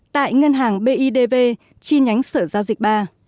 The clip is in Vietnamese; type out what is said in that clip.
tại ngân hàng bidv chi nhánh sở giao dịch ba